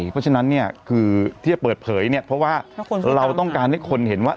เพราะฉะนั้นเนี่ยคือที่จะเปิดเผยเนี่ยเพราะว่าเราต้องการให้คนเห็นว่า